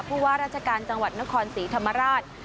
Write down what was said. ผู้ว่าราชการจังหวัดนครศรีธรรมราช